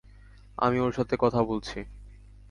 আমি ওর সাথে কথা বলছি।